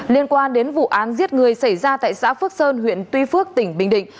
liên quan đến vụ án giết người xảy ra tại xã phước sơn huyện tuy phước tỉnh bình định